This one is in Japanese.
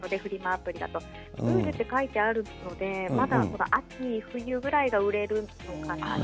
アプリだとウールと書いてあると秋冬ぐらいが売れるのかなと。